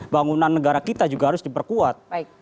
bangunan negara kita juga harus diperkuat